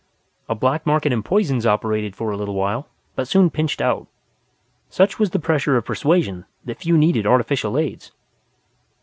A black market in poisons operated for a little while, but soon pinched out. Such was the pressure of persuasion that few needed artificial aids.